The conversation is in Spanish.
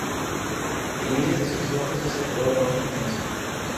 El iris de sus ojos es de color rojo intenso.